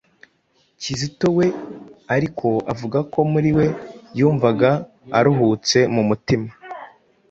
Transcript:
Kizito we ariko avuga ko muri we yumvaga aruhutse mu mutima